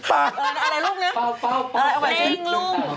อะไรเล่นลุ่ม